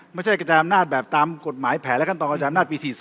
กระจายอำนาจแบบตามกฎหมายแผนและขั้นตอนกระจายอำนาจปี๔๒